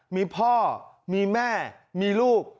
มีพ่อมีแม่มีลูก